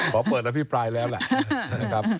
พอเปิดตะพี่ปลายแล้วนะครับ